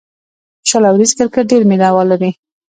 شل اوریز کرکټ ډېر مینه وال لري.